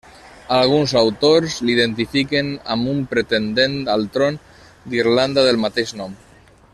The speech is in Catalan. Alguns autors l'identifiquen amb un pretendent al tron d'Irlanda del mateix nom.